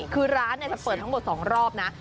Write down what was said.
คือร้านจะเปิดทั้งหมด๒รอบนะ